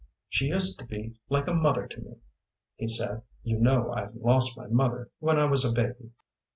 "She used to be like a mother to me," he said. "You know I lost my mother when I was a baby."